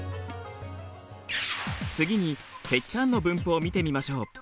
次に石炭の分布を見てみましょう。